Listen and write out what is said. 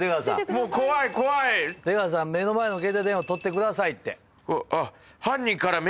出川さん目の前の携帯電話取ってくださいって。